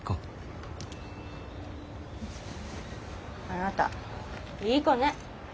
あなたいい子ね。